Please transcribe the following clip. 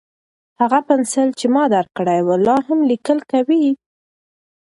هغه پنسل چې ما درکړی و، لا هم لیکل کوي؟